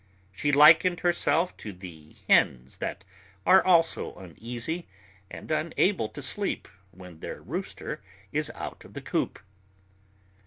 She likened herself to the hens that are also uneasy and unable to sleep when their rooster is out of the coop.